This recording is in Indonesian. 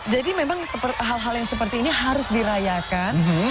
jadi memang hal hal yang seperti ini harus dirayakan